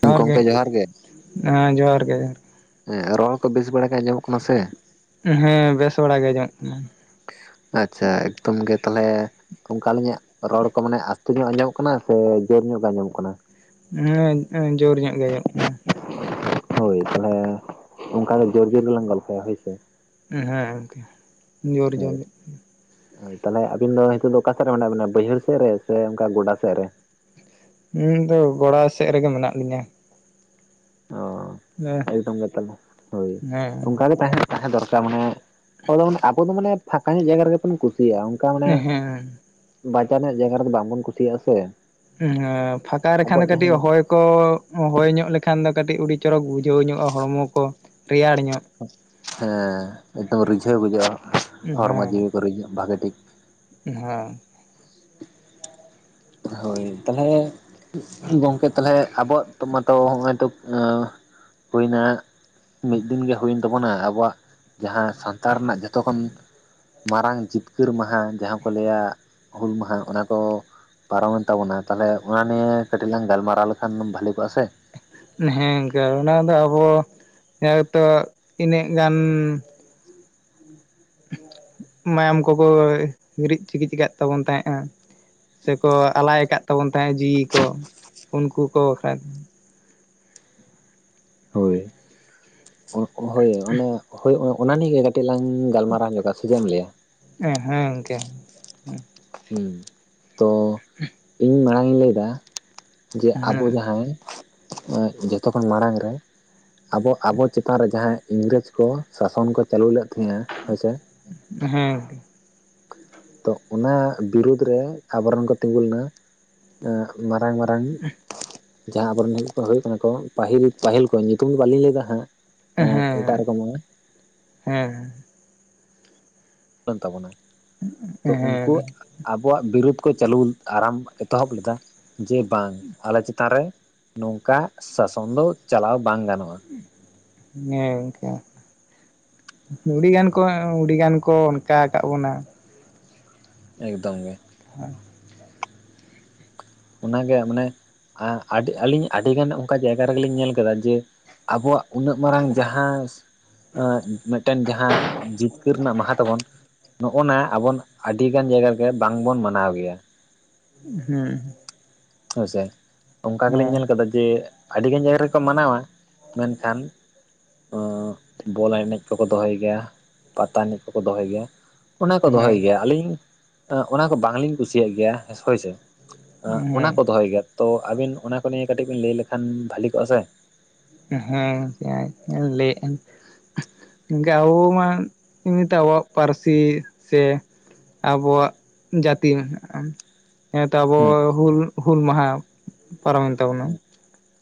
ᱡᱚᱦᱟᱨ ᱜᱮ ᱦᱮᱸ ᱡᱚᱦᱟᱨ ᱜᱮ ᱦᱮᱸ ᱨᱚᱲ ᱠᱚ ᱵᱮᱥ ᱵᱟᱲᱟ ᱜᱮ ᱟᱸᱡᱚᱢᱚᱜ ᱠᱟᱱᱟ ᱥᱮ ᱦᱮᱸ ᱵᱮᱥ ᱵᱟᱲᱟ ᱜᱮ ᱟᱸᱡᱚᱢᱚᱜ ᱠᱟᱱᱟ ᱟᱪᱪᱷᱟ ᱮᱠᱫᱚᱢ ᱜᱮ ᱛᱟᱦᱚᱞᱮ ᱚᱱᱠᱟ ᱟᱹᱞᱤᱧᱟᱜ ᱨᱚᱲ ᱠᱚ ᱢᱟᱱᱮ ᱟᱥᱛᱮ ᱧᱚᱜ ᱟᱸᱡᱚᱢᱚᱜ ᱠᱟᱱᱟ ᱥᱮ ᱡᱳᱨ ᱧᱚᱜ ᱜᱮ ᱟᱸᱡᱚᱢᱚᱜ ᱠᱟᱱᱟ ᱾ ᱦᱮᱸ ᱡᱳᱨ ᱧᱚᱜ ᱜᱮ ᱟᱸᱡᱚᱢᱚᱜ ᱠᱟᱱᱟ। ᱦᱳᱭ ᱛᱟᱦᱚᱞᱮ ᱚᱱᱠᱟ ᱫᱚ ᱡᱳᱨ [unintelligible] ᱡᱳᱨ ᱜᱮᱞᱟᱝ ᱜᱚᱞᱯᱷᱚᱭᱟ ᱦᱳᱭ ᱥᱮ। ᱦᱮᱸ ᱜᱚᱝᱠᱮ ᱡᱚᱨ ᱦᱳᱭ ᱡᱚᱢᱮᱫ ᱛᱟᱦᱚᱞᱮ ᱟᱵᱤᱱ ᱫᱚ ᱱᱤᱛᱳᱜ ᱫᱚ ᱚᱠᱟ ᱥᱮᱫ ᱨᱮ ᱢᱮᱱᱟᱜ ᱵᱤᱱᱟ ᱵᱟᱹᱭᱦᱟᱹᱲ ᱥᱮᱫ ᱨᱮ ᱥᱮ ᱚᱱᱠᱟ ᱜᱚᱰᱟ ᱥᱮᱫ ᱨᱮ ᱤᱧ ᱫᱚ ᱜᱚᱲᱟᱭ ᱥᱮᱫ ᱨᱮᱜᱮ ᱢᱮᱱᱟᱜ ᱞᱤᱧᱟᱹ ᱾ ᱚ ᱮᱠᱫᱚᱢ ᱜᱮ ᱛᱮ ᱦᱳᱭ ᱦᱮᱸ ᱚᱱᱠᱟᱜ ᱜᱮ ᱛᱟᱦᱮᱱᱟ ᱛᱟᱦᱮᱸ ᱫᱚᱨᱠᱟᱨ ᱢᱟᱱᱮ ᱟᱵᱚ ᱫᱚ ᱢᱟᱱᱮ ᱯᱷᱟᱸᱠᱟ ᱧᱚᱜ ᱡᱟᱭᱜᱟ ᱨᱮᱜᱮᱵᱚᱱ ᱠᱩᱥᱤᱭᱟᱜᱼᱟ ᱚᱱᱠᱟ ᱢᱟᱱᱮ ᱦᱮᱸ ᱵᱟᱡᱟᱨ ᱨᱮᱱᱟᱜ ᱡᱟᱭᱜᱟ ᱨᱮᱫᱚ ᱵᱟᱝᱵᱚᱱ ᱠᱩᱥᱤᱭᱟᱜᱼᱟ ᱥᱮ ᱯᱷᱟᱸᱠᱟ ᱨᱮᱠᱷᱟᱱ ᱫᱚ ᱟᱵᱚᱣᱟᱜ ᱡᱟᱦᱟᱸ ᱠᱟᱹᱴᱤᱡ ᱦᱮᱸ ᱦᱚᱭ ᱠᱚ ᱦᱚᱭ ᱧᱚᱜ ᱞᱮᱠᱷᱟᱱ ᱫᱚ ᱠᱟᱹᱴᱤᱡ ᱩᱲᱤᱡ ᱪᱚᱨᱚᱠ ᱵᱩᱡᱷᱟᱹᱣ ᱧᱚᱜ ᱦᱚᱲᱢᱚ ᱠᱚ ᱨᱮᱭᱟᱲ ᱧᱚᱜ ᱦᱮᱸ ᱮᱠᱫᱚᱢ ᱨᱤᱡᱷᱟᱹᱣ ᱵᱩᱡᱷᱟᱹᱜᱼᱟ ᱦᱚᱲᱢᱚ ᱦᱮᱸ ᱡᱤᱣᱤ ᱠᱚ ᱨᱤ ᱵᱷᱟᱜᱮ ᱴᱷᱤᱠ, ᱦᱮᱸ ᱦᱳᱭ ᱛᱟᱦᱞᱮ ᱜᱚᱝᱠᱮ ᱛᱟᱦᱞᱮ ᱟᱵᱚᱣᱟᱜ ᱯᱚᱛᱚᱵ ᱢᱟᱛᱚ ᱦᱚᱜ ᱚᱭ ᱛᱚ ᱦᱩᱭᱱᱟ ᱢᱤᱫ ᱫᱤᱱ ᱜᱮ ᱦᱩᱭ ᱮᱱᱟ ᱛᱟᱵᱚᱱᱟ ᱟᱵᱚᱣᱟᱜ ᱡᱟᱦᱟᱸ ᱥᱟᱱᱛᱟᱲ ᱨᱮᱱᱟᱜ ᱡᱚᱛᱚ ᱠᱷᱚᱱ ᱢᱟᱨᱟᱝ ᱡᱤᱛᱠᱟᱹᱨ ᱢᱟᱦᱟ ᱡᱟᱦᱟᱸ ᱠᱚ ᱞᱟᱹᱭᱟ ᱦᱩᱞ ᱢᱟᱦᱟ ᱚᱱᱟ ᱠᱚ ᱯᱟᱨᱚᱢᱮᱱ ᱛᱟᱵᱚᱱᱟ ᱛᱟᱦᱚᱞᱮ ᱚᱱᱟ ᱱᱤᱭᱮ ᱠᱟᱹᱴᱤᱡ ᱞᱟᱝ ᱜᱟᱞᱢᱟᱨᱟᱣ ᱞᱮᱠᱷᱟᱱ ᱵᱷᱟᱞᱤ ᱠᱚᱜᱼᱟ ᱥᱮ ᱦᱮᱸ ᱜᱚᱝᱠᱮ ᱚᱱᱟ ᱫᱚ ᱟᱵᱚ ᱱᱮᱛᱚᱜ ᱤᱱᱟᱹᱜ ᱜᱟᱱ ᱢᱟᱭᱟᱢ ᱠᱚᱠᱚ ᱦᱤᱨᱤᱡ ᱪᱤᱠᱤᱪ ᱠᱟᱜ ᱛᱟᱵᱚᱱ ᱛᱟᱦᱮᱸᱜᱼᱟ ᱾ ᱥᱮᱠᱚ ᱟᱞᱟᱭ ᱟᱠᱟᱫ ᱛᱟᱵᱚᱱ ᱛᱟᱦᱮᱸᱫ ᱡᱤᱣᱤ ᱠᱚ ᱩᱱᱠᱩ ᱠᱚ ᱦᱳᱭ ᱦᱳᱭ ᱚᱱᱟ ᱦᱳᱭ ᱚᱱᱟ ᱱᱤᱭᱮ ᱜᱮ ᱢᱤᱫ ᱞᱟᱝ ᱜᱟᱞᱟᱨᱟᱣ ᱧᱚᱜᱼᱟ ᱥᱮ ᱪᱮᱢ ᱮᱢ ᱞᱮᱭᱟ ᱦᱮᱸ ᱜᱚᱝᱠᱮ ᱦᱮᱸ ᱛᱚ ᱤᱧ ᱢᱟᱲᱟᱝ ᱤᱧ ᱞᱟᱹᱭᱫᱟ ᱡᱮ ᱦᱮᱸ ᱟᱵᱚ ᱦᱮᱸ ᱡᱟᱦᱟᱸᱭ ᱡᱚᱛᱚᱠᱷᱱ ᱢᱟᱲᱟᱝ ᱨᱮ ᱟᱫᱚ ᱟᱵᱚ ᱪᱮᱛᱟᱱ ᱨᱮ ᱡᱟᱦᱟᱸᱭ ᱤᱝᱨᱮᱡᱽ ᱠᱚ ᱥᱟᱥᱚᱱ ᱠᱚ ᱪᱟᱹᱞᱩ ᱞᱮ ᱛᱟᱦᱮᱸᱜᱼᱟ ᱾ ᱦᱳᱭᱥᱮ ᱛᱚ ᱚᱱᱟ ᱵᱤᱨᱩᱫᱽ ᱨᱮ ᱟᱵᱚᱨᱮᱱ ᱠᱚ ᱛᱤᱸᱜᱩ ᱞᱮᱱᱟ ᱮᱸᱜ ᱢᱟᱨᱟᱝ ᱢᱟᱨᱟᱝ ᱡᱟᱦᱟᱸ ᱟᱵᱚᱨᱮᱱ ᱜᱮᱠᱚ ᱦᱩᱭᱩᱜ ᱠᱟᱱᱟ ᱠᱚ ᱯᱟᱹᱦᱤᱞ ᱯᱟᱹᱦᱤᱞ ᱠᱚ ᱧᱩᱛᱩᱢ ᱫᱚ ᱵᱟᱹᱞᱤᱧ ᱞᱟᱹᱭᱫᱟ ᱦᱟᱸᱜ ᱮᱴᱟᱜ ᱮᱦᱮᱸ ᱨᱚᱠᱚᱢ ᱦᱮᱸ ᱛᱟᱵᱚᱱᱟ ᱛᱚ ᱦᱮᱸ ᱩᱱᱠᱩ ᱟᱵᱚᱣᱟᱜ ᱵᱤᱨᱩᱫᱷ ᱠᱚ ᱪᱟᱹᱞᱩ ᱟᱨᱟᱢ ᱮᱛᱚᱦᱚᱵ ᱞᱮᱫᱟ ᱡᱮ ᱵᱟᱝ ᱟᱞᱮ ᱪᱮᱛᱟᱱ ᱨᱮ ᱱᱚᱝᱠᱟ ᱥᱟᱥᱚᱱ ᱫᱚ ᱪᱟᱞᱟᱣ ᱵᱟᱝ ᱜᱟᱱᱚᱜᱼᱟ ᱦᱮᱸ ᱜᱚᱝᱠᱮ ᱟᱹᱰᱤ ᱜᱟᱱ ᱠᱚ ᱦᱳᱭ ᱟᱣᱨᱤᱭᱟᱱ ᱠᱚ ᱚᱱᱠᱟ ᱟᱠᱟᱫ ᱵᱚᱱᱟ ᱮᱠᱫᱚᱢ ᱜᱮ ᱦᱮᱸ ᱚᱱᱟᱜᱮ ᱢᱟᱱᱮ ᱟᱹᱰᱤ ᱟᱹᱞᱤᱧ ᱟᱹᱰᱤᱜᱟᱱ ᱚᱱᱠᱟ ᱡᱟᱭᱜᱟ ᱨᱮᱜᱮᱞᱤᱧ ᱧᱮᱞ ᱠᱮᱫᱟ ᱡᱮ ᱟᱵᱚᱣᱟᱜ ᱩᱱᱟᱹᱜ ᱢᱟᱨᱟᱝ ᱡᱟᱦᱟᱸᱡ ᱢᱤᱫᱴᱟᱝ ᱡᱟᱦᱟᱸ ᱡᱤᱛᱠᱟᱹᱨ ᱨᱮᱱᱟᱜ ᱢᱟᱦᱟᱸ ᱛᱟᱵᱚᱱ ᱱᱚᱜᱼᱱᱟ ᱟᱵᱚ ᱟᱹᱰᱤ ᱜᱟᱱ ᱡᱟᱭᱜᱟ ᱨᱮᱜᱮ ᱵᱟᱝᱵᱚᱱ ᱢᱟᱱᱟᱣ ᱜᱮᱭᱟ ᱦᱚᱸ ᱦᱚᱭ ᱥᱮ ᱚᱱᱠᱟ ᱜᱮᱞᱤᱧ ᱧᱮᱞ ᱟᱠᱟᱫᱟ ᱡᱮ ᱟᱹᱰᱤᱜᱟᱱ ᱡᱟᱭᱜᱟ ᱨᱮᱠᱚ ᱢᱟᱱᱟᱣᱟ ᱢᱮᱱᱠᱷᱟᱱ ᱵᱚᱞ ᱮᱱᱮᱡ ᱠᱚᱠᱚ ᱫᱚᱦᱚᱭ ᱜᱮᱭᱟ ᱯᱟᱛᱟ ᱮᱱᱮᱡ ᱠᱚᱠᱚ ᱫᱚᱦᱚᱭ ᱜᱮᱭᱟ ᱚᱱᱟ ᱠᱚ ᱫᱚᱦᱚᱭ ᱜᱮᱭᱟ ᱟᱹᱞᱤᱧ ᱚᱱᱟ ᱠᱚ ᱵᱟᱝᱞᱤᱧ ᱠᱩᱥᱤᱭᱟᱜ ᱜᱮᱭᱟ ᱦᱚᱭᱥᱮ ᱦᱸ ᱦᱮᱸᱻ ᱫᱚᱦᱚᱭ ᱜᱮᱭᱟ ᱛᱚ ᱟᱵᱤᱱ ᱚᱱᱟ ᱠᱚ ᱱᱤᱭᱟ. ᱠᱟᱹᱴᱤᱡ ᱵᱤᱱ ᱞᱟᱹᱭ ᱞᱮᱠᱷᱟᱱ ᱵᱷᱟ. ᱞᱤ ᱠᱚᱜᱼᱟ ᱥᱮ ᱦᱮᱸ ᱞᱟᱹᱭᱮᱫ ᱟᱹᱧ ᱟᱵᱚ ᱢᱟ ᱮᱢᱱᱤᱛᱮ ᱟᱵᱚᱣᱟᱜ ᱯᱟᱹᱨᱥᱤ ᱥᱮ ᱟᱵᱚᱣᱟᱜ ᱡᱟᱹᱛᱤᱢ ᱦᱮᱸᱛᱚ ᱟᱵᱚ ᱦᱮᱸ ᱦᱩᱞ ᱦᱩᱞ ᱢᱟᱦᱟ ᱯᱟᱨᱚᱢᱮᱱ ᱛᱟᱵᱚᱱᱟ ᱦᱩ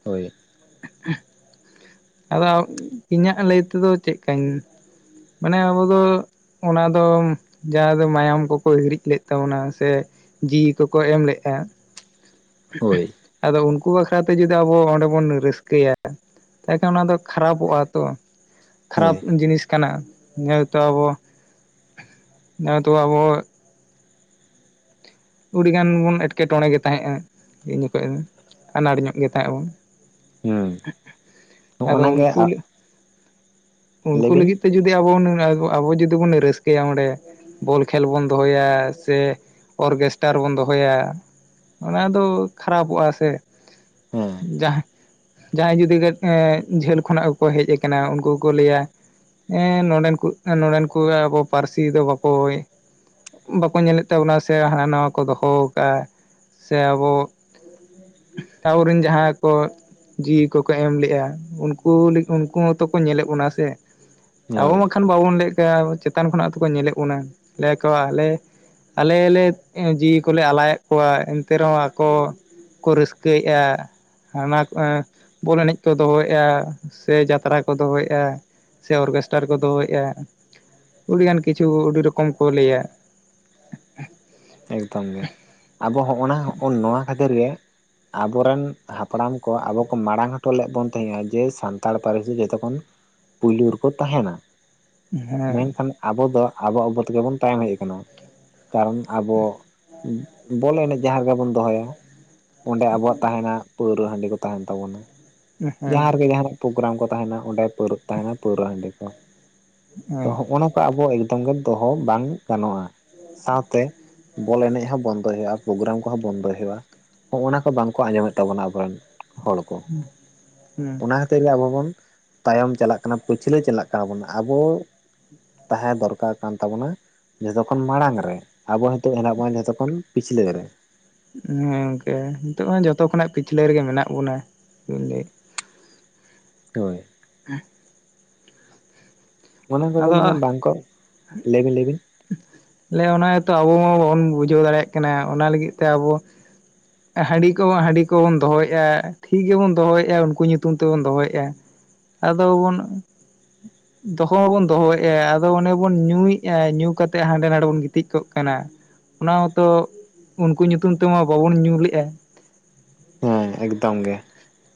ᱦᱳᱭ [unintelligible] ᱟᱫᱚ ᱤᱧᱟᱹᱜ ᱞᱟᱹᱭ ᱛᱮᱫᱚ ᱪᱮᱫ ᱞᱮᱠᱟᱧ ᱢᱟᱱᱮ ᱟᱵᱚ ᱫᱚ ᱚᱱᱟ ᱫᱚ ᱡᱟᱦᱟᱸ ᱫᱚ ᱢᱟᱭᱟᱢ ᱠᱚᱠᱚ ᱦᱤᱨᱤᱡ ᱞᱮᱫ ᱛᱟᱵᱚᱱᱟ ᱥᱮ ᱡᱤᱣᱤ ᱠᱚᱠᱚ ᱮᱢ ᱞᱮᱫᱼᱟ ᱦᱳᱭ ᱟᱫᱚ ᱩᱱᱠᱩ ᱵᱟᱠᱷᱨᱟ ᱛᱮ ᱡᱩᱫᱤ ᱟᱵᱚ ᱚᱸᱰᱮ ᱵᱚᱱ ᱨᱟᱹᱥᱠᱟᱹᱭᱟ ᱮᱰᱮᱠᱷᱟᱱ ᱚᱱᱟ ᱫᱚ ᱠᱷᱟᱨᱟᱯᱚᱜᱼᱟ ᱛᱚ ᱠᱷᱟᱨᱟᱯ ᱦᱳᱭ ᱡᱤᱱᱤᱥ ᱠᱟᱱᱟ ᱡᱮᱦᱩᱛᱚ ᱟᱵᱚ ᱡᱮᱦᱩᱛᱚ ᱟᱵᱚ ᱟᱹᱰᱤᱜᱟᱱ ᱵᱚᱱ ᱮᱴᱠᱮᱴᱚᱬᱮ ᱜᱮ ᱛᱟᱦᱮᱸᱜᱼᱟ ᱩᱱ ᱡᱚᱠᱷᱚᱱ ᱫᱚ ᱟᱱᱟᱴ ᱧᱚᱜ ᱜᱮ ᱛᱟᱦᱮᱸᱫ ᱟᱵᱚᱱ ᱦᱩᱸ ᱟᱫᱚ ᱱᱚᱜᱼᱱᱟ ᱜᱮ ᱩᱱᱠᱩ ᱞᱟᱹᱭ ᱩᱱᱠᱩ ᱵᱤᱱ ᱞᱟᱹᱜᱤᱫ ᱛᱮ ᱡᱩᱫᱤ ᱟᱵᱚ ᱟᱵᱚ ᱡᱩᱫᱤ ᱵᱚᱱ ᱨᱟᱹᱥᱠᱟᱹᱭᱟ ᱚᱸᱰᱮ ᱵᱚᱞ ᱠᱷᱮᱞ ᱵᱚᱱ ᱫᱚᱦᱚᱭᱟ ᱥᱮ ᱚᱨᱜᱮᱥᱴᱟᱨ ᱨᱮᱵᱚᱱ ᱫᱚᱦᱚᱭᱟ ᱚᱱᱟ ᱫᱚ ᱠᱷᱟᱨᱟᱯᱚᱜᱼᱟ ᱥᱮ ᱦᱮᱸ ᱡᱟᱦᱟᱸ ᱡᱟᱦᱟᱸᱭ ᱡᱩᱫᱤ ᱡᱷᱟᱹᱞ ᱠᱷᱚᱱᱟᱜ ᱜᱮᱠᱚ ᱦᱮᱡ ᱟᱠᱟᱱᱟ ᱩᱱᱠᱩ ᱠᱚ ᱞᱟᱹᱭᱟ ᱦᱮᱸ ᱱᱚᱰᱮᱱ ᱠᱚ ᱱᱚᱸᱰᱮᱱ ᱠᱚ ᱟᱵᱚ ᱯᱟᱹᱨᱥᱤ ᱫᱚ ᱵᱟᱠᱚ ᱵᱟᱠᱚ ᱧᱮᱞᱮᱫ ᱛᱟᱵᱚᱱᱟ ᱥᱮ ᱦᱟᱱᱟ ᱱᱟᱣᱟ ᱠᱚ ᱫᱚᱦᱚ ᱟᱠᱟᱫᱼᱟ ᱥᱮ ᱟᱵᱚ ᱟᱵᱚᱨᱮᱱ ᱡᱟᱦᱟᱸᱭ ᱠᱚ ᱡᱤᱣᱤ ᱠᱚᱠᱚ ᱮᱢ ᱞᱮᱫᱜᱼᱟ ᱩᱱᱠᱩ ᱩᱱᱠᱩ ᱦᱚᱸᱛᱚ ᱠᱚ ᱧᱮᱞᱮᱫ ᱵᱚᱱᱟ ᱥᱮ ᱟᱵᱚ ᱦᱳᱭ ᱢᱟ ᱵᱟᱵᱚᱱ ᱞᱟᱹᱭᱮᱜ ᱠᱟᱱ ᱪᱮᱛᱟᱱ ᱠᱷᱚᱱᱟᱜ ᱠᱚ ᱧᱮᱞᱮᱫ ᱵᱚᱱᱟ ᱞᱟ. ᱭᱮᱜ ᱟᱠᱚ ᱟᱞᱮ ᱟᱞᱮ ᱞᱮ ᱡᱤᱣᱤ ᱠᱚᱞᱮ ᱟᱞᱟᱭᱟᱫ ᱠᱚᱣᱟ ᱮᱱᱛᱮ ᱨᱮᱦᱚᱸ ᱟᱠᱚ ᱠᱚ ᱨᱟᱹᱥᱠᱟᱹᱭᱮᱫᱼᱟ ᱦᱟᱱᱟ ᱵᱚᱞ ᱮᱱᱮᱡ ᱠᱚ ᱫᱚᱦᱚᱭᱮᱫᱼᱟ ᱥᱮ ᱡᱟᱛᱨᱟ ᱠᱚ ᱫᱚᱦᱚᱭᱮᱫᱼᱟ ᱥᱮ ᱚᱨᱜᱮᱥᱴᱟᱨ ᱠᱚ ᱫᱚᱦᱚᱭᱮᱫᱼᱟ ᱟᱹᱰᱤᱜᱟᱱ ᱠᱤᱪᱷᱩ ᱟᱹᱰᱤ ᱨᱚᱠᱚᱢ ᱠᱚ ᱞᱟᱹᱭᱟ ᱮᱠᱫᱚᱢ ᱜᱮ ᱟᱵᱚ ᱦᱚᱸ ᱚᱱᱟ ᱦᱚᱸ ᱱᱚᱣᱟ ᱠᱷᱟᱹᱛᱤᱨ ᱜᱮ ᱟᱵᱚᱨᱮᱱ ᱦᱟᱯᱲᱟᱢ ᱠᱚ ᱟᱵᱚ ᱠᱚ ᱢᱟᱲᱟᱝ ᱦᱚᱴᱚ ᱞᱮᱫ ᱵᱚᱱ ᱛᱟᱦᱮᱸᱭᱟ ᱡᱮ ᱥᱟᱱᱛᱟᱲ ᱯᱟᱹᱨᱥᱤ ᱡᱚᱛᱚ ᱠᱷᱚᱱ ᱯᱩᱭᱞᱩ ᱨᱮᱠᱚ ᱛᱟᱦᱮᱱᱟ ᱦᱮᱸ ᱢᱮᱱᱠᱷᱟᱱ ᱟᱵᱚ ᱫᱚ ᱟᱵᱚ ᱟᱵᱚ ᱛᱮᱜᱮ ᱵᱚᱱ ᱛᱟᱭᱚᱢ ᱦᱮᱡ ᱟᱠᱟᱱᱟ ᱠᱟᱨᱚᱱ ᱟᱵᱚ ᱵᱚᱞ ᱮᱱᱮᱡ ᱡᱟᱦᱟᱸ ᱨᱮᱜᱮ ᱵᱚᱱ ᱫᱚᱦᱚᱭᱟ ᱚᱸᱰᱮ ᱟᱵᱚᱣᱟᱜ ᱛᱟᱦᱮᱱᱟ ᱯᱟᱹᱣᱨᱟᱹ ᱦᱟᱺᱰᱤ ᱠᱚ ᱛᱟᱦᱮᱱ ᱛᱟᱵᱚᱱᱟ ᱦᱮᱸ ᱡᱟᱦᱟᱸ ᱨᱮᱜᱮ ᱡᱟᱦᱟᱱᱟᱜ ᱯᱨᱳᱜᱨᱟᱢ ᱠᱚ ᱛᱟᱦᱮᱱᱟ ᱚᱸᱰᱮ ᱛᱟᱦᱮᱱᱟ ᱯᱟᱹᱣᱨᱟᱹ ᱦᱟᱺᱰᱤ ᱠᱚ ᱛᱚ ᱦᱮᱸ ᱱᱚᱜᱱᱟ ᱟᱵᱚ ᱮᱠᱫᱚᱢ ᱜᱮ ᱫᱚᱦᱚ ᱵᱟᱝ ᱜᱟᱱᱚᱜᱼᱟ ᱥᱟᱶᱛᱮ ᱵᱚᱞ ᱮᱱᱮᱡ ᱦᱚᱸ ᱵᱚᱱᱫᱚᱭ ᱦᱩᱭᱩᱜᱼᱟ ᱯᱨᱳᱜᱨᱟᱢ ᱠᱚᱦᱚᱸ ᱵᱚᱱᱫᱚᱭ ᱦᱩᱭᱩᱜᱼᱟ ᱦᱚᱜᱼᱱᱟ ᱠᱚ ᱵᱟᱝ ᱠᱚ ᱟᱸᱡᱚᱢᱮᱫ ᱛᱟᱵᱚᱱᱟ ᱟᱵᱚᱨᱮᱱ ᱦᱚᱲ ᱠᱚ ᱦᱮᱸ ᱚᱱᱟ ᱛᱮᱦᱮᱧ ᱟᱵᱚ ᱵᱚᱱ ᱛᱟᱭᱚᱢ ᱪᱟᱞᱟᱜ ᱠᱟᱱᱟ ᱯᱟᱹᱪᱷᱞᱟᱹ ᱪᱟᱞᱟᱜ ᱠᱟᱱᱟ ᱵᱚᱱ ᱟᱵᱚ ᱛᱟᱦᱮᱸ ᱫᱚᱨᱠᱟᱨ ᱠᱟᱱ ᱛᱟᱵᱚᱱᱟ ᱡᱚᱛᱚᱠᱷᱚᱱ ᱢᱟᱲᱟᱝ ᱨᱮ ᱟᱵᱚ ᱱᱤᱛᱚᱜ ᱛᱟᱦᱮᱱᱟ ᱵᱚᱱ ᱡᱚᱛᱚᱠᱷᱚᱱ ᱯᱤᱪᱷᱞᱟ. ᱨᱮ ᱦᱮᱸ ᱜᱚᱝᱠᱮ ᱱᱤᱛᱚᱜ ᱢᱟ ᱡᱚᱛᱚ ᱠᱷᱚᱱᱟᱜ ᱯᱤᱪᱷᱞᱟᱹ ᱨᱮᱜᱮ ᱢᱮᱱᱟᱜ ᱵᱚᱱᱟ ᱪᱮᱫᱵᱤᱱ ᱞᱟᱹᱭᱟ ᱦᱳᱭ ᱦᱮᱸ ᱚᱱᱮ ᱚᱱᱠᱟᱜᱮ ᱢᱟᱱᱮ ᱵᱟᱝᱠᱚ ᱞᱟᱹᱭᱵᱤᱱ ᱞᱟᱹᱭᱵᱤᱱ ᱞᱮᱭᱤᱧ ᱚᱱᱟ ᱜᱮᱛᱚ ᱟᱵᱚ ᱢᱟ ᱵᱟᱵᱚᱱ ᱵᱩᱡᱷᱟᱹᱣ ᱫᱟᱲᱮᱭᱟᱜ ᱠᱟᱱᱟ ᱚᱱᱟ ᱞᱟᱹᱜᱤᱫ ᱛᱮ ᱟᱵᱚ ᱦᱟᱺᱰᱤ ᱠᱚ ᱢᱟ ᱦᱟᱺᱰᱤ ᱠᱚᱵᱚᱱ ᱫᱚᱦᱚᱭᱮᱫᱼᱟ, ᱴᱷᱤᱠ ᱜᱮᱵᱚᱱ ᱫᱚᱦᱚᱭᱮᱫᱼᱟ ᱩᱱᱠᱩ ᱧᱩᱛᱩᱢ ᱛᱮᱵᱚᱱ ᱫᱚᱦᱚᱭᱮᱫᱼᱟ ᱟᱫᱚ ᱵᱚᱱ ᱦᱚᱸ ᱵᱚᱱ ᱫᱚᱦᱚᱭᱮᱜᱼᱟ ᱟᱫᱚ ᱚᱱᱮ ᱵᱚᱱ ᱧᱩᱭᱮᱫᱼᱟ, ᱧᱩ ᱠᱟᱛᱮᱫ ᱦᱟᱸᱰᱮ ᱱᱟᱰᱮ ᱵᱚᱱ ᱜᱤᱛᱤᱡ ᱠᱚᱜ ᱠᱟᱱᱟ ᱚᱱᱟ ᱢᱟᱛᱚ ᱩᱱᱠᱩ ᱧᱩᱛᱩᱢ ᱛᱮᱢᱟ ᱵᱟᱵᱚᱱ ᱧᱩ ᱞᱮᱫᱼᱟ ᱦᱮᱸ ᱮᱠᱫᱚᱢ ᱜᱮ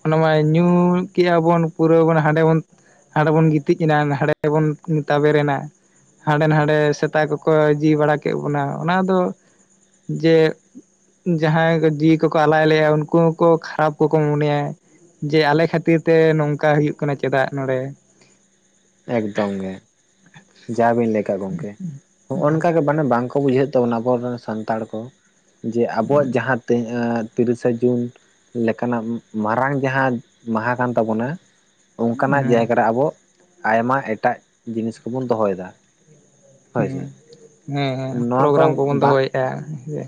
ᱚᱱᱟ ᱢᱟ ᱧᱩ ᱠᱮᱜ ᱟ ᱵᱚᱱ ᱯᱩᱨᱟᱹ ᱵᱚᱱ ᱦᱟᱸᱰᱮ ᱵᱚᱱ ᱦᱟᱸᱰᱮ ᱵᱚᱱ ᱜᱤᱛᱤᱡ ᱮᱱᱟ ᱱᱟᱸᱰᱮ ᱵᱚᱱ ᱛᱟᱵᱮᱨ ᱮᱱᱟ ᱦᱟᱸᱰᱮ ᱱᱷᱟᱰᱮ ᱥᱮᱛᱟ ᱠᱚᱠᱚ ᱡᱤ ᱵᱟᱲᱟ ᱠᱮᱫ ᱵᱚᱱᱟ ᱚᱱᱟ ᱫᱚ ᱡᱮ ᱡᱟᱦᱟᱸᱭ ᱠᱚ ᱡᱤᱣᱤ ᱠᱚᱠᱚ ᱟᱞᱟᱭ ᱞᱮᱭᱟ ᱩᱱᱠᱩ ᱦᱚᱸ ᱠᱚ ᱠᱷᱟᱨᱟᱯ ᱠᱚᱠᱚ ᱢᱚᱱᱮᱭᱟ ᱡᱮ ᱟᱞᱮ ᱠᱷᱟᱹᱛᱤᱨ ᱛᱮ ᱱᱚᱝᱠᱟ ᱦᱩᱭᱩᱜ ᱠᱟᱱᱟ ᱪᱮᱫᱟᱜ ᱱᱚᱰᱮ ᱮᱠᱫᱚᱢ ᱜᱮ ᱡᱟᱵᱤᱱ ᱞᱟᱹᱭ ᱠᱟᱜ ᱜᱚᱢᱠᱮ ᱱᱚᱜᱚ ᱱᱚᱝᱠᱟ ᱜᱮ ᱢᱟᱱᱮ ᱵᱟᱝᱠᱚ ᱵᱩᱡᱷᱟᱹᱣᱮᱫ ᱛᱟᱵᱚᱱᱟ ᱟᱵᱚᱨᱮᱱ ᱥᱟᱱᱛᱟᱲ ᱠᱚ ᱡᱮ ᱟᱵᱚᱣᱟᱜ ᱦᱮᱸ ᱡᱟᱦᱟᱸ ᱛᱤᱭᱦᱟ. ᱜ ᱛᱤᱨᱤᱥᱟ ᱡᱩᱱ ᱞᱮᱠᱟᱱᱟᱜ ᱢᱟᱨᱟᱝ ᱡᱟᱦᱟᱸ ᱢᱟᱦᱟ ᱠᱟᱱ ᱛᱟᱵᱚᱱᱟ ᱚᱱᱠᱟᱱᱟᱜ ᱦᱮᱸ ᱡᱟᱭᱜᱟ ᱨᱮ ᱟᱵᱚ ᱟᱭᱢᱟ ᱮᱴᱟᱜ ᱡᱤᱱᱤᱥ ᱠᱚᱵᱚᱱ ᱫᱚᱦᱚᱭᱮᱫᱟ ᱦᱳᱭ ᱥᱮ ᱩᱸ ᱦᱮᱸ ᱦᱮᱸ ᱱᱚᱣᱟ ᱯᱨᱳᱜᱨᱟᱢ ᱠᱚ ᱠᱚᱵᱚᱱ ᱵᱟᱝ ᱫᱚᱦᱚᱭᱮᱫᱼᱟ ᱦᱮᱸ ᱥᱮ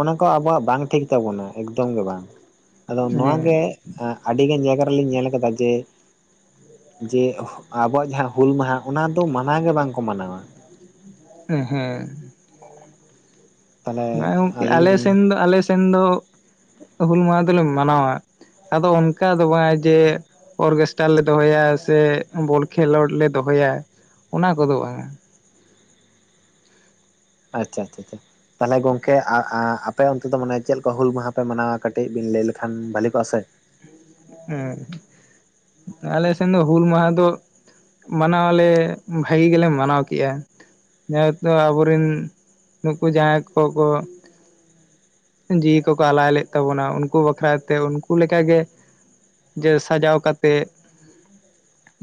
ᱚᱱᱟ ᱠᱚ ᱟᱵᱚᱣᱟᱜ ᱵᱟᱝ ᱴᱷᱤᱠ ᱛᱟᱵᱚᱱᱟ ᱮᱠᱫᱚᱢ ᱜᱮ ᱵᱟᱝ ᱟᱫᱚ ᱱᱚᱣᱟᱜ ᱜᱮ ᱦᱮᱸ ᱦᱮᱸ ᱟᱹᱰᱤᱜᱟᱱ ᱡᱟᱭᱜᱟ ᱨᱮᱞᱤᱧ ᱧᱮᱞ ᱟᱠᱟᱫᱟ ᱡᱮ ᱡᱮ ᱟᱵᱚᱣᱟᱜ ᱡᱟᱦᱟᱸ ᱦᱩᱞ ᱢᱟᱦᱟ ᱚᱱᱟ ᱫᱚ ᱢᱟᱱᱟᱣ ᱜᱮ ᱵᱟᱝᱠᱚ ᱢᱟᱱᱟᱣᱟ ᱮᱸ ᱦᱮᱸ ᱛᱟᱦᱚᱞᱮ ᱦᱮᱸ ᱜᱚᱝᱠᱮ ᱟᱞᱮ ᱟᱹᱞᱤᱧ ᱥᱮᱱ ᱫᱚ ᱟᱞᱮ ᱥᱮᱱ ᱫᱚ ᱦᱩᱞ ᱢᱟᱦᱟ ᱫᱚᱞᱮ ᱢᱟᱱᱟᱣᱟ ᱟᱫᱚ ᱚᱱᱠᱟ ᱫᱚ ᱵᱟᱝ ᱡᱮ ᱚᱨᱠᱮᱥᱴᱟᱨ ᱞᱮ ᱫᱚᱦᱚᱭᱟ ᱥᱮ ᱵᱚᱞ ᱠᱷᱮᱞᱳᱰ ᱞᱮ ᱫᱚᱦᱚᱭᱟ ᱚᱱᱟ ᱠᱚᱫᱚ ᱵᱟᱝᱟ ᱟᱪᱪᱷᱟ ᱟᱪᱪᱷᱟ ᱟᱪᱪᱷᱟ ᱛᱟᱦᱚᱞᱮ ᱜᱚᱝᱠᱮ ᱟᱯᱮ ᱚᱱᱛᱮ ᱫᱚ ᱢᱟᱱᱮ ᱪᱮᱫᱠᱟ ᱦᱩᱞ ᱢᱟᱦᱟ ᱯᱮ ᱢᱟᱱᱟᱣᱟ ᱠᱟᱹᱴᱤᱡ ᱵᱤᱱ ᱞᱟᱹᱭ ᱞᱮᱠᱷᱟᱱ ᱵᱷᱟᱞᱤ ᱠᱚᱜᱼᱟ ᱥᱮ ᱦᱮᱸ ᱟᱞᱮ ᱥᱮᱱ ᱫᱚ ᱦᱩᱞ ᱢᱟᱦᱟ ᱫᱚ ᱢᱟᱱᱟᱣᱟᱞᱮ ᱵᱷᱟᱹᱜᱤ ᱜᱮᱞᱮ ᱢᱟᱱᱟᱣ ᱠᱮᱜᱼᱟ ᱡᱮᱦᱮᱛᱩ ᱟᱵᱚᱨᱮᱱ ᱱᱩᱠᱩ ᱡᱟᱦᱟᱸᱭ ᱠᱚᱠᱚ ᱡᱤᱣᱤ ᱠᱚᱠᱚ ᱟᱞᱟᱟᱭ ᱞᱮᱫ ᱛᱟᱵᱚᱱᱟ ᱩᱱᱠᱩ ᱵᱟᱠᱷᱨᱟ ᱛᱮ ᱩᱱᱠᱩ ᱞᱠᱟᱜᱮ ᱡᱮ ᱥᱟᱡᱟᱣ ᱠᱟᱛᱮᱫ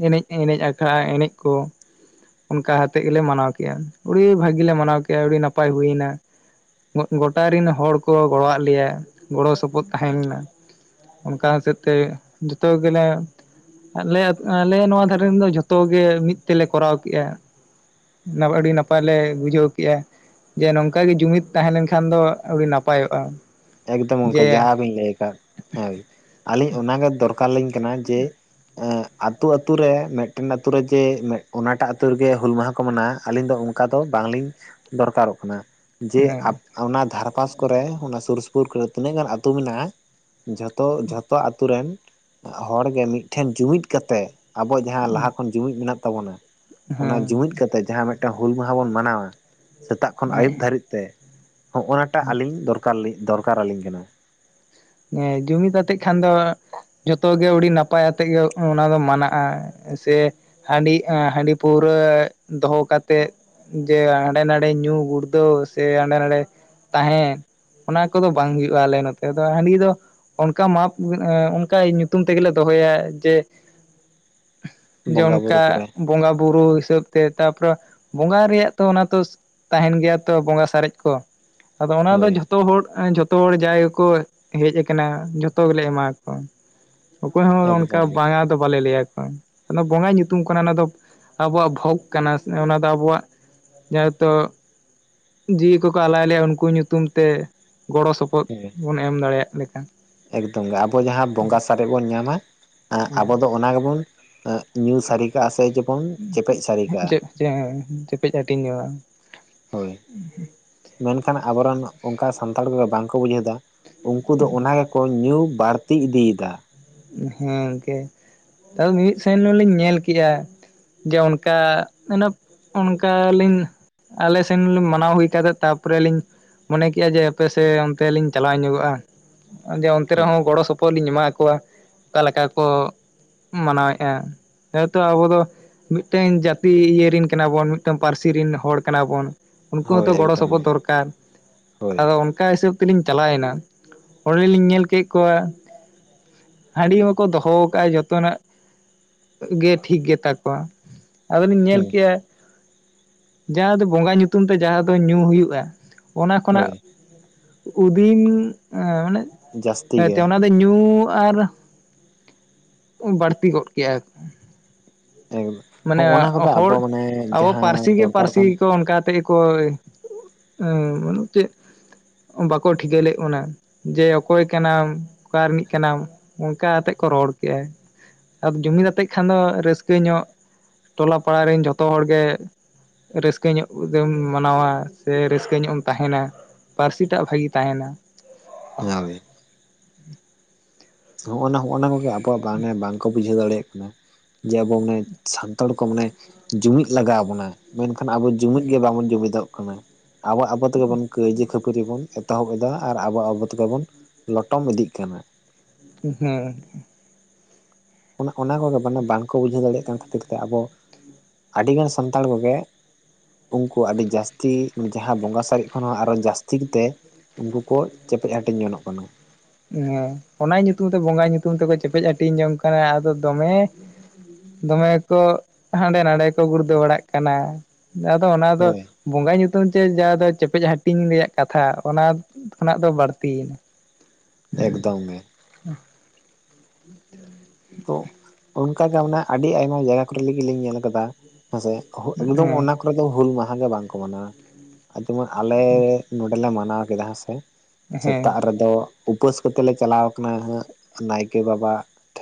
ᱮᱱᱮᱡ ᱮᱱᱮᱡ ᱟᱠᱷᱟᱜ-ᱟᱭ ᱮᱱᱮᱡ ᱠᱚ ᱚᱱᱠᱟ ᱦᱟᱛᱮᱫ ᱜᱮᱞᱮ ᱢᱟᱱᱟᱣ ᱠᱮᱜᱼᱟ ᱟᱹᱰᱤ ᱵᱷᱟᱹᱜᱤᱞᱮ ᱢᱟᱱᱟᱣ ᱠᱮᱫᱮᱜᱼᱟ ᱟᱹᱰᱤ ᱱᱟᱯᱟᱭ ᱦᱩᱭᱱᱟ ᱾ ᱜᱚᱴᱟ ᱨᱮᱱ ᱦᱚᱲ ᱠᱚ ᱜᱚᱲᱚᱣᱟᱫ ᱞᱮᱭᱟ ᱜᱚᱲᱚ ᱥᱚᱯᱚᱦᱚᱫ ᱛᱟᱦᱮᱸ ᱞᱮᱱᱟ ᱚᱱᱠᱟ ᱦᱚᱛᱮᱫ ᱛᱮ ᱡᱚᱛᱚ ᱜᱮᱞᱮ ᱟᱞᱮ ᱟᱞᱮ ᱱᱚᱣᱟ ᱫᱷᱟᱨᱮᱱ ᱫᱚ ᱡᱷᱚᱛᱚ ᱜᱮ ᱢᱤᱫ ᱛᱮᱞᱮ ᱠᱚᱨᱟᱣ ᱠᱮᱜᱼᱟ ᱟᱹᱰᱤ ᱱᱟᱯᱟᱭ ᱞᱮ ᱵᱩᱡᱷᱟᱹᱣ ᱠᱮᱫᱮᱜᱼᱟ ᱡᱮ ᱱᱚᱝᱠᱟᱜ ᱜᱮ ᱡᱩᱢᱤᱫ ᱛᱟᱦᱮᱸ ᱞᱮᱱᱠᱷᱟᱱ ᱫᱚ ᱟᱹᱰᱤ ᱱᱟᱯᱟᱭᱚᱜᱼᱟ ᱮᱠᱫᱚᱢ ᱜᱚᱝᱠᱮ ᱡᱟ ᱡᱮ ᱵᱤᱱ ᱞᱟᱹᱭ ᱟᱠᱟᱫ ᱦᱮᱸ ᱟᱹᱞᱤᱧ ᱚᱱᱟᱜᱮ ᱫᱚᱨᱠᱟᱨᱞᱤᱧ ᱠᱟᱱᱟ ᱡᱮ ᱟᱛᱩ ᱟᱛᱩ ᱨᱮ ᱢᱤᱫᱴᱮᱱ ᱟᱛᱩ ᱨᱮ ᱡᱮ ᱚᱱᱟᱴᱟᱜ ᱟᱛᱩ ᱨᱮᱜᱮ ᱦᱩᱞ ᱢᱟᱦᱟ ᱠᱚ ᱢᱮᱱᱟᱜᱼᱟ ᱟᱹᱞᱤᱧ ᱫᱚ ᱚᱱ ᱼᱼ ᱚᱱᱠᱟ ᱫᱚ ᱵᱟᱝᱞᱤᱧ ᱫᱚᱨᱠᱟᱨᱚᱜ ᱠᱟᱱᱟ ᱡᱮ ᱦᱮᱸ ᱚᱱᱟ ᱫᱷᱟᱨᱮ ᱯᱟᱥ ᱠᱚᱨᱮ ᱚᱱᱟ ᱥᱩᱨ ᱥᱩ ᱼᱼ ᱯᱩᱨ ᱠᱚᱨᱮ ᱛᱤᱱᱟᱹᱜ ᱜᱟᱱ ᱟᱹᱛᱩ ᱢᱮᱱᱟᱜᱼᱟ ᱡᱷᱚᱛᱚ ᱡᱷᱚᱛᱚ ᱟᱛᱳ ᱨᱮᱱ ᱦᱚᱲᱜᱮ ᱢᱤᱫᱴᱷᱮᱱ ᱡᱩᱢᱤᱫ ᱠᱟᱛᱮᱫ ᱟᱵᱚᱣᱟᱜ ᱡᱟᱦᱟᱸ ᱞᱟᱦᱟ ᱠᱷᱚᱱ ᱡᱩᱢᱤᱫ ᱢᱮᱱᱟᱜ ᱛᱟᱵᱚᱱᱟ ᱚᱱᱟ ᱦᱮᱸ ᱡᱩᱢᱤᱫ ᱠᱟᱛᱮ ᱡᱟᱦᱟᱸ ᱢᱮᱫ ᱼᱼ ᱢᱤᱫᱴᱟᱝ ᱦᱩᱞ ᱢᱟᱦᱟ ᱵᱚᱱ ᱢᱟᱱᱟᱣᱟ ᱥᱮᱛᱟᱜ ᱠᱷᱚᱱ ᱦᱮᱸ ᱟᱹᱭᱩᱵ ᱫᱷᱟᱹᱨᱤᱡ ᱛᱮ ᱦᱚᱜᱼ ᱱᱟᱴᱟᱜ ᱟᱹᱞᱤᱧ ᱫᱚᱨ ᱼᱼ ᱠᱟᱨ ᱞᱤᱧ, ᱫᱚᱨᱠᱟᱨᱞᱤᱧ ᱠᱟᱱᱟ ᱮᱸ ᱡᱩᱢᱤᱫ ᱟᱛᱮᱜ ᱠᱷᱟᱱ ᱫᱚ ᱡᱚᱛᱚᱜ ᱜᱮ ᱟᱹᱰᱤ ᱱᱟᱯᱟᱭ ᱟᱛᱮᱫ ᱜᱮ ᱚᱱᱟ ᱫᱚ ᱢᱟᱱᱟᱜᱼᱟ ᱥᱮ ᱦᱟᱺᱰᱤ ᱮᱸ ᱦᱟᱺᱰᱤ ᱯᱟᱹᱣᱨᱟᱹ ᱫᱚᱦᱚ ᱠᱟᱛᱮᱫ ᱡᱮ ᱦᱟᱸᱰᱮ ᱱᱟᱰᱮ ᱧᱩ ᱜᱩᱲᱫᱟᱹᱣ ᱥᱮ ᱦᱟᱸᱰᱮ ᱱᱟᱰᱮ ᱛᱟᱦᱮᱸ ᱚᱱᱟ ᱠᱚᱫᱚ ᱵᱟᱝ ᱦᱩᱭᱩᱜᱼᱟ ᱟᱞᱮ ᱱᱚᱛᱮ ᱦᱟᱺᱰᱤ ᱫᱚ ᱚᱱᱠᱟ ᱢᱟᱯ ᱚᱱᱠᱟ ᱧᱩᱛᱩᱢ ᱛᱮᱜᱮᱞᱮ ᱫᱚᱦᱚᱭᱟ ᱡᱮ [inaudible] ᱡᱮ ᱵᱚᱸᱜᱟ ᱵᱩᱨᱩ ᱚᱱᱠᱟ ᱠᱚᱨᱮ ᱵᱚᱸᱜᱟ ᱵᱩᱨᱩ ᱦᱤᱥᱟᱹᱵ ᱛᱮ ᱛᱟᱯᱚᱨᱮ ᱵᱚᱸᱜᱟ ᱨᱮᱭᱟᱜ ᱛᱚ ᱚᱱᱟ ᱛᱚ ᱛᱟᱦᱮᱱ ᱜᱮᱭᱟ ᱛᱚ ᱵᱚᱸᱜᱟ ᱥᱟᱨᱮᱡ ᱠᱚ ᱟᱫᱚ ᱚᱱᱟ ᱫᱚ ᱦᱳᱭ ᱡᱷᱚᱛᱚ ᱦᱚᱲ ᱡᱷᱚᱛᱚ ᱦᱚᱲ ᱡᱟᱜᱭ ᱜᱮᱠᱚ ᱦᱮᱡ ᱠᱟᱱᱟ ᱡᱚᱛᱚ ᱜᱮᱞᱮ ᱮᱢᱟ ᱠᱚᱣᱟ ᱚᱠᱚᱭ ᱦᱚᱸ ᱚᱱᱠᱟ ᱮᱠᱫᱚᱢ ᱜᱮ ᱵᱟᱝᱼᱟ ᱵᱟᱞᱮ ᱞᱟᱹᱭᱟᱠᱚ ᱵᱚᱸᱜᱟ ᱧᱩᱛᱩᱢ ᱠᱟᱱᱟ ᱚᱱᱟ ᱫᱚ ᱟᱵᱚᱣᱟᱜ ᱵᱷᱳᱜᱽ ᱠᱟᱱᱟ ᱚᱱᱟ ᱫᱚ ᱟᱵᱚᱣᱟᱜ ᱡᱟᱭᱛᱚ ᱡᱤᱣᱤ ᱠᱚᱠᱚ ᱟᱞᱟᱭ ᱞᱮᱭᱟ ᱩᱱᱠᱩ ᱧᱩᱛᱩᱢ ᱛᱮ ᱜᱚᱲᱚ ᱥᱚᱯᱚ [unintelligible] [unintelligible] ᱮᱢ ᱫᱟᱲᱮᱭᱟᱜ ᱞᱮᱠᱟ ᱮᱠᱫᱚᱢ ᱜᱮ ᱟᱵᱚ ᱡᱟᱦᱟᱸ ᱵᱚᱸᱜᱟ ᱥᱟᱨᱮᱡ ᱵᱚᱱ ᱧᱟᱢᱟ ᱟᱵᱚ ᱦᱮᱸ ᱫᱚ ᱚᱱᱟ ᱜᱮᱵᱚᱱ ᱧᱩ ᱥᱟᱨᱤ ᱠᱟᱜᱼᱟ ᱥᱮ ᱡᱮᱢᱚᱱ ᱪᱮᱯᱮᱡ ᱥᱟᱨᱤ ᱠᱟᱜᱼᱟ᱾ ᱡᱮ ᱡᱮ ᱡᱮᱯᱮᱡ ᱦᱟᱹᱴᱤᱧ ᱡᱚᱝᱼᱟ᱾ ᱦᱳᱭ ᱢᱮᱱᱠᱷᱟᱱ ᱟᱵᱚᱨᱮᱱ ᱚᱱᱠᱟ ᱥᱟᱱᱛᱟᱲ ᱠᱚᱜᱮ ᱵᱟᱝᱠᱚ ᱵᱩᱡᱷᱟᱹᱣ ᱮᱫᱟ ᱩᱱᱠᱩ ᱫᱚ ᱚᱱᱟᱜᱮ ᱠᱚ ᱧᱩ ᱵᱟᱹᱲᱛᱤ ᱤᱫᱤᱭ ᱫᱟ᱾ ᱦᱮᱸ ᱜᱚᱝᱠᱮ ᱛᱚ ᱢᱤᱢᱤᱫ ᱥᱮᱱ ᱞᱤᱧ ᱧᱮᱞ ᱠᱮᱜᱼᱟ᱾ ᱡᱮ ᱚᱱᱠᱟ ᱢᱟᱱᱮ ᱚᱱᱠᱟ ᱞᱤᱧ ᱟᱞᱮ ᱥᱮᱱ ᱢᱟᱱᱟᱣ ᱦᱩᱭ ᱠᱟᱫᱟ ᱛᱟᱨᱯᱚᱨᱮ ᱞᱤᱧ ᱢᱚᱱᱮ ᱠᱮᱜᱼᱟ ᱡᱮ ᱟᱯᱮᱥ ᱚᱱᱛᱮ ᱞᱤᱧ ᱪᱟᱞᱟᱣ ᱧᱚᱜᱚᱜᱼᱟ᱾ ᱟ ᱚᱱᱛᱮ ᱦᱳᱭ ᱨᱮᱦᱚᱸ ᱜᱚᱲᱚ ᱥᱚᱯᱚᱦᱚᱫ ᱞᱤᱧ ᱮᱢᱟ ᱠᱚᱣᱟ᱾ ᱚᱠᱟ ᱞᱮᱠᱟ ᱠᱚ ᱢᱟᱱᱟᱣᱮᱜᱼᱟ᱾ ᱦᱮᱛᱚ ᱟᱵᱚ ᱫᱚ ᱢᱤᱫᱴᱟᱝ ᱡᱟᱹᱛᱤ ᱤᱭᱮᱱ ᱠᱟᱱᱟ ᱵᱚᱱ ᱢᱤᱫᱴᱟᱝ ᱯᱟᱹᱨᱥᱤᱥ ᱨᱮᱱ ᱦᱚᱲ ᱠᱟᱱᱟ ᱵᱚᱱ᱾ ᱩᱱᱠᱩ ᱦᱳᱭ ᱦᱚᱸᱛᱚ ᱜᱚᱲᱚ ᱮᱠᱫᱚᱢ ᱥᱚᱯᱚᱦᱚᱫ ᱜᱮ ᱫᱚᱨᱠᱟᱨ ᱦᱳᱭ ᱟᱫᱚ ᱠᱟ ᱦᱤᱥᱟᱹᱵᱽ ᱛᱮᱞᱤᱧ ᱪᱟᱞᱟᱣᱮᱱᱟ ᱚᱸᱰᱮᱞᱤᱧ ᱧᱮᱞ ᱠᱮᱫ ᱠᱚᱣᱟ᱾ ᱦᱟᱺᱰᱤ ᱦᱚᱸᱠᱚ ᱫᱚᱦᱚ ᱟᱠᱟᱫᱟᱼᱟ ᱡᱚᱛᱚᱱᱟᱜ, ᱜᱮ ᱴᱷᱤᱠ ᱜᱮᱛᱟ ᱠᱚᱣᱟ᱾ ᱟᱫᱚᱞᱤᱧ ᱧᱮᱞ ᱦᱮᱸ ᱠᱮᱜᱼᱟ᱾ ᱡᱟᱦᱟᱸ ᱫᱚ ᱵᱚᱸᱜᱟ ᱧᱩᱛᱩᱢ ᱛᱮ ᱡᱟᱦᱟᱸ ᱫᱚ ᱧᱩ ᱦᱩᱭᱩᱜᱼᱟ᱾ ᱚᱱᱟ ᱠᱷᱚᱱᱟᱜ ᱦᱳᱭ ᱩᱫᱤᱱ ᱢᱟᱱᱮ ᱡᱟᱹᱥᱛᱤ ᱜᱮ ᱚᱱᱟᱫᱚ ᱧᱩ ᱟᱨ ᱵᱟᱹᱲᱛᱤ ᱜᱚᱜ ᱠᱮᱜᱼᱟ ᱠᱚ᱾ [unintelligible] ᱢᱟᱱᱮ ᱠᱚᱫᱚ ᱦᱚᱲ ᱟᱵᱚ ᱢᱟᱱᱮ ᱟᱵᱚ ᱯᱟᱹᱨᱥᱤ ᱡᱟᱦᱟᱸ ᱜᱮ ᱫᱚᱨᱠᱟᱨ ᱯᱟᱹᱨᱥᱤ ᱠᱟᱱ ᱠᱚ ᱚᱱᱠᱟ ᱛᱮᱜᱮ ᱜᱮᱠᱚ ᱪᱮᱜ ᱵᱟᱠᱚ ᱴᱷᱤᱠᱟᱹ ᱞᱮᱫ ᱵᱚᱱᱟ᱾ ᱡᱮ ᱚᱠᱚᱭ ᱠᱟᱱᱟᱢ ᱚᱠᱟ ᱨᱤᱱᱤᱡ ᱠᱟᱱᱟᱢ ᱚᱱᱠᱟᱛᱮᱜ ᱠᱚ ᱨᱚᱲ ᱠᱮᱭᱟ᱾ ᱟᱫᱚ ᱡᱩᱢᱤᱫ ᱟᱛᱮᱜ ᱠᱷᱟᱱ ᱫᱚ ᱨᱟᱹᱥᱠᱟᱹ ᱧᱚᱜ ᱴᱚᱞᱟ ᱯᱟᱲᱟ ᱨᱮᱱ ᱡᱷᱚᱛᱚ ᱦᱚᱲ ᱜᱮ ᱨᱟᱹᱥᱠᱟᱹ ᱧᱚᱜ ᱜᱮᱢ ᱢᱟᱱᱟᱣᱟ ᱥᱮ ᱨᱟᱹᱥᱠᱟᱹ ᱧᱚᱜ ᱮᱢ ᱛᱟᱦᱮᱱᱟ᱾ ᱯᱟᱹᱨᱥᱤ ᱴᱟᱜ ᱵᱷᱟᱜᱤ ᱛᱟᱦᱮᱱᱟ᱾ ᱦᱳᱭ ᱦᱚᱜᱼᱚ ᱱᱟ ᱱᱚᱜᱼᱚ ᱱᱟ ᱠᱚᱜᱮ ᱟᱵᱚᱣᱟᱜ ᱢᱮ ᱵᱟᱝᱠᱚ ᱵᱩᱡᱷᱟᱹᱣ ᱫᱟᱲᱮᱭᱟᱜ ᱠᱟᱱᱟ᱾ ᱡᱮ ᱟᱵᱚ ᱢᱟᱱᱮ ᱥᱟᱱᱛᱟᱲ ᱠᱚ ᱢᱟᱱᱮ ᱡᱩᱢᱤᱫ ᱞᱟᱜᱟᱣ ᱵᱚᱱᱟ᱾ ᱢᱮᱱᱠᱷᱟᱱ ᱟᱵᱚ ᱡᱩᱢᱤᱫ ᱜᱮ ᱵᱟᱵᱚᱱ ᱡᱩᱢᱤᱫᱚᱜ ᱠᱟᱱᱟ ᱟᱵᱚ ᱟᱵᱚ ᱛᱮᱜᱮ ᱵᱚᱱ ᱠᱟᱹᱭᱡᱟᱹ ᱠᱷᱟᱹᱯᱟᱹᱨᱤ ᱵᱚᱱ ᱮᱛᱚᱦᱚᱵ ᱫᱟ ᱟᱨ ᱟᱵᱚ ᱟᱵᱚ ᱛᱮᱜᱮ ᱵᱚᱱ ᱞᱚᱴᱚᱢ ᱤᱫᱤᱜ ᱠᱟᱱᱟ᱾ ᱩᱸ ᱦᱮᱸ ᱚᱱᱟ ᱠᱚᱜᱮ ᱢᱟᱱᱮ ᱵᱟᱝᱠᱚ ᱵᱩᱡᱷᱟᱹᱣ ᱫᱟᱲᱮᱭᱟᱜ ᱠᱟᱱ ᱠᱷᱟᱹᱛᱤᱨ ᱛᱮ ᱟᱵᱚ ᱟᱹᱰᱤ ᱜᱟᱱ ᱥᱟᱱᱛᱟᱲ ᱠᱚᱜᱮ ᱩᱝᱠᱩ ᱟᱹᱰᱤ ᱡᱟᱹᱥᱛᱤ ᱡᱟᱦᱟᱸ ᱵᱚᱸᱜᱟ ᱥᱟᱨᱮᱡ ᱠᱷᱚᱱ ᱦᱚᱸ ᱟᱨᱚ ᱡᱟᱹᱥᱛᱤ ᱠᱟᱛᱮ ᱩᱝᱠᱩ ᱠᱚ ᱪᱮᱯᱮᱡ ᱦᱟᱹᱴᱤᱧ ᱜᱚᱱᱚᱜ ᱠᱟᱱᱟ᱾ ᱦᱮᱸ ᱚᱱᱟ ᱧᱩᱛᱩᱢ ᱛᱮ ᱵᱚᱸᱜ ᱧᱩᱛᱩᱢ ᱛᱮᱠᱚ ᱪᱮᱯᱮᱡ ᱦᱟᱹᱴᱤᱧ ᱡᱚᱝ ᱠᱟᱱᱟ ᱟᱫᱚ ᱫᱚᱢᱮ ᱫᱚᱢᱮ ᱠᱚ ᱦᱟᱸᱰᱮ ᱱᱟᱰᱮ ᱠᱚ ᱜᱩᱲᱫᱷᱟᱹ ᱵᱟᱲᱟᱜ ᱠᱟᱱᱟ ᱟᱫᱚ ᱚᱱᱟ ᱫᱚ ᱦᱳᱭ ᱵᱚᱸᱜᱟ ᱧᱩᱛᱩᱢ ᱛᱮ ᱡᱟᱦᱟᱸ ᱫᱚ ᱪᱮᱯᱮᱫ ᱦᱟᱹᱴᱤᱧ ᱨᱮᱭᱟᱜ ᱠᱟᱛᱷᱟ ᱚᱱᱟ ᱠᱷᱚᱱᱟᱜ ᱫᱚ ᱵᱟᱹᱲᱛᱤᱭᱮᱱᱟ ᱾ ᱮᱠᱫᱚᱢ ᱜᱮ [inaudible] ᱛᱚ ᱚᱱᱠᱟ ᱜᱮ ᱢᱟᱱᱮ ᱟᱹᱰᱤ ᱟᱭᱢᱟ ᱡᱟᱭᱜᱟ ᱠᱚᱨᱮ ᱨᱮᱜᱮ ᱧᱮᱞ ᱟᱠᱟᱫᱟ ᱦᱮᱸ ᱥᱮ ᱾ ᱮᱠᱫᱚᱢ ᱦᱮᱸ ᱚᱱᱟ ᱠᱚᱨᱮ ᱫᱚ ᱦᱩᱞ ᱢᱟᱦᱟ ᱜᱮ ᱵᱟᱝ ᱠᱚ ᱢᱟᱱᱟᱣᱟ ᱾ ᱟᱨ ᱡᱮᱢᱚᱱ ᱟᱞᱮ ᱱᱚᱸᱰᱮ ᱞᱮ ᱢᱟᱱᱟᱣ ᱠᱮᱫᱟ ᱦᱮ ᱥᱮ ᱥᱮᱛᱟᱜ ᱦᱮᱸ ᱨᱮᱫᱚ ᱩᱯᱟᱹᱥ ᱠᱟᱛᱮᱜ ᱞᱮ ᱪᱟᱞᱟᱣ ᱟᱠᱟᱱᱟ ᱦᱟᱸᱜ ᱱᱟᱭᱠᱮ ᱵᱟᱵᱟ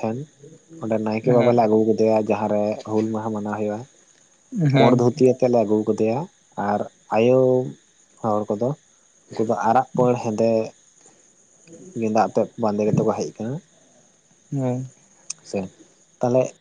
ᱴᱷᱮᱱ ᱚᱸᱰᱮ ᱱᱟᱭᱠᱮ ᱵᱟᱵᱟ ᱦᱮᱸ ᱞᱮ ᱟᱹᱜᱩ ᱠᱮᱫᱮ᱾ ᱮᱭᱟ ᱡᱟᱦᱟᱸ ᱨᱮ ᱦᱩᱞ ᱢᱟᱦᱟ ᱢᱟᱱᱟᱣ ᱦᱩᱭᱩᱜ-ᱟ ᱯᱚᱸᱬ ᱦᱮᱸ ᱫᱷᱩᱛᱤ ᱛᱮᱞᱮ ᱟᱹᱜᱩ ᱠᱟᱫᱮᱭᱟ ᱟᱨ ᱟᱭᱳ ᱦᱚᱲ ᱠᱚᱫᱚ᱾ ᱩᱱᱠᱩ ᱫᱚ ᱟᱨᱟᱜ ᱯᱟᱹᱲ ᱦᱮᱸᱫᱮ ᱜᱮᱸᱫᱟᱜ ᱟᱛᱮᱜ ᱵᱟᱸᱫᱮ ᱠᱟᱛᱮᱫ ᱠᱚ ᱦᱮᱡ ᱟᱠᱟᱱᱟ ᱾ ᱦᱮᱸ ᱥᱮ ᱛᱟᱦᱚᱞᱮ